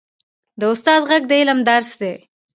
د استاد ږغ د علم درس دی.